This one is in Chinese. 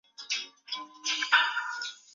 这些观测中最著名的当属宇宙背景探测者。